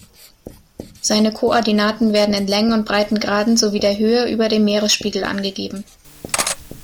Seine Koordinaten werden in Längen- und Breitengraden sowie der Höhe über dem Meeresspiegel angegeben.